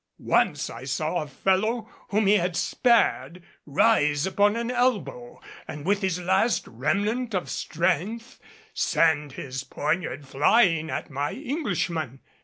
Once I saw a fellow whom he had spared rise upon an elbow and with his last remnant of strength send his poniard flying at my Englishman.